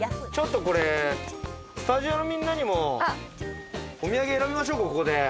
スタジオのみんなにもお土産選びましょうここで。